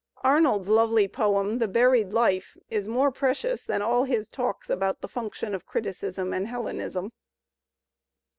Arnold's lovely poem, . "The Buried Life," is more precious than all his talks about ^ the Function of Criticism and Hellenism.